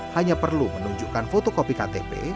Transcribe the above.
hanya perlu menunjukkan fotokopi ktp